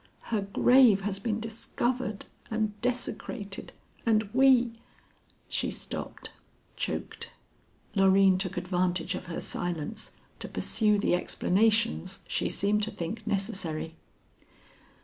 Her grave has been discovered and desecrated, and we " She stopped, choked. Loreen took advantage of her silence to pursue the explanations she seemed to think necessary.